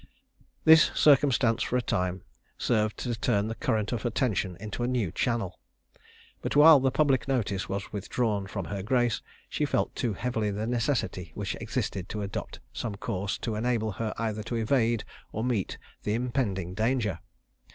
This circumstance for a time served to turn the current of attention into a new channel. But while the public notice was withdrawn from her grace, she felt too heavily the necessity which existed to adopt some course to enable her either to evade or meet the impending danger.